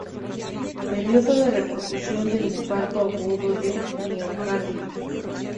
Período de recuperación del infarto agudo de miocardio.